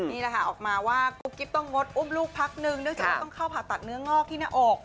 นี่แหละค่ะออกมาว่ากุ๊กกิ๊บต้องงดอุ้มลูกพักนึงเนื่องจากว่าต้องเข้าผ่าตัดเนื้องอกที่หน้าอก